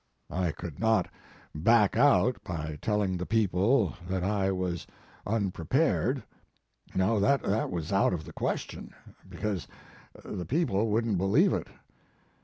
I could not back out by telling the people that I was unpre pared. No, that was out of the question, because the people wouldn t believe it.